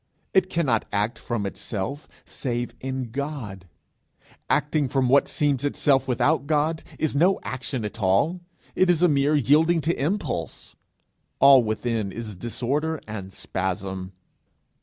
It cannot act from itself, save in God; acting from what seems itself without God, is no action at all, it is a mere yielding to impulse. All within is disorder and spasm.